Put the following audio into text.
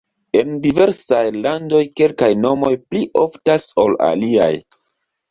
En diversaj landoj kelkaj nomoj pli oftas ol aliaj.